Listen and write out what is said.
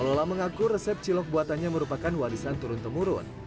pengelola mengaku resep cilok buatannya merupakan warisan turun temurun